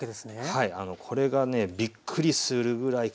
はい。